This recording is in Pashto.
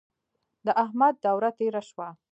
د احمد دوره تېره شوه.